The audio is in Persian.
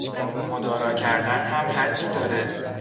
مدارا کردن هم حدی داره